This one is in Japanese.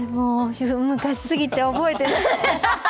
非常に昔すぎて覚えてない。